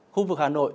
khu vực hà nội